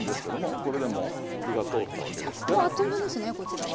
あっもうあっという間ですねこちらは。